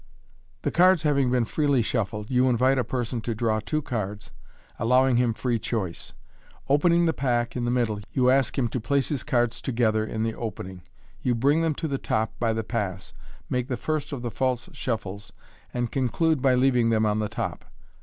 The cards having been freely shuffled, you invite a. person to draw two cards, allowing him free choice. Opening the pack in the middle, you ask him to place his cards together in the opening. You bring them to the top by the pass, make the first of the false shuffles, and conclude by leaving them on the top.